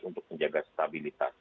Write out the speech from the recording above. untuk menjaga stabilitas